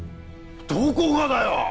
どこがだよ！